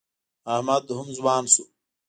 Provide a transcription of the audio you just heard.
احمد هم ځوان شو.